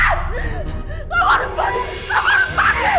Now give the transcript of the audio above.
kamu sedang menginakalip keluarga kamu jahat